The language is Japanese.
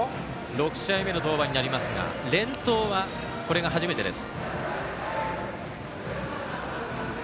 ６試合目の登板になりますが連投はこれが初めてです。